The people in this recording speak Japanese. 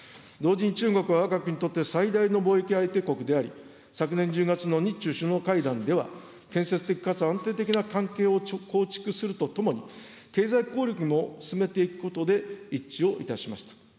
同時に中国はわが国にとって最大の貿易相手国であり、昨年１０月の日中首脳会談では、建設的かつ安定的な関係を構築するとともに、経済交流も進めていくことで一致をいたしました。